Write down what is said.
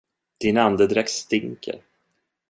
Din andedräkt stinker.